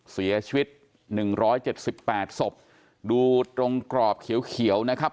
เสียชีวิตหนึ่งร้อยเจ็ดสิบแปดศพดูตรงกรอบเขียวนะครับ